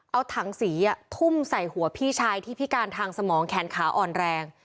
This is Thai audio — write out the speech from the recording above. เอาถังสีทุ่มใส่หัวพี่ชายที่พิการทางสมองแขนขาอ่อนแรง